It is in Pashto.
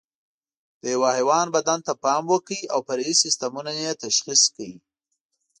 د یوه حیوان بدن ته پام وکړئ او فرعي سیسټمونه یې تشخیص کړئ.